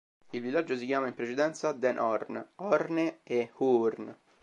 Il villaggio si chiamava in precedenza "Den Horn", "Horne" e "Hoorn".